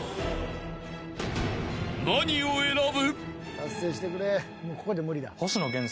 ［何を選ぶ？］